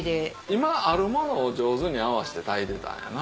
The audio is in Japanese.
今あるものを上手に合わせて炊いてたんやな。